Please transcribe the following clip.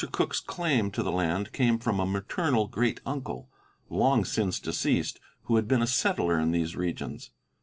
Cooke's claim to the land came from a maternal great uncle, long since deceased, who had been a settler in these regions.